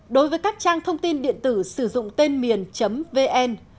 đối với các trang thông tin điện tử sử dụng tên miền vn